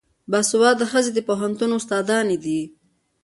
باسواده ښځې د پوهنتون استادانې دي.